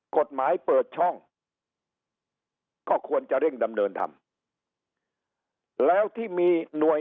กฎหมายเปิดช่องก็ควรจะเร่งดำเนินทำแล้วที่มีหน่วย